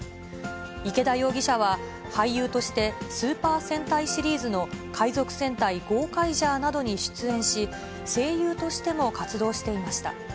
池田容疑者は、俳優としてスーパー戦隊シリーズの海賊戦隊ゴーカイジャーなどに出演し、声優としても活動していました。